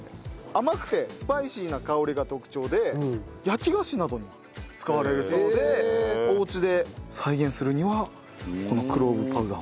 甘くてスパイシーな香りが特徴で焼き菓子などに使われるそうでおうちで再現するにはこのクローブパウダー。